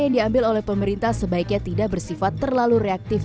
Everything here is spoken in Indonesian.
yang diambil oleh pemerintah sebaiknya tidak bersifat terlalu reaktif